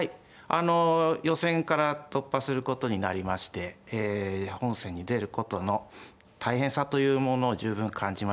あの予選から突破することになりましてえ本戦に出ることの大変さというものを十分感じました。